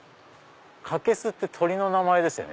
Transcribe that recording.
カケスって鳥の名前ですよね。